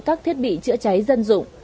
các thiết bị chữa cháy dân dụng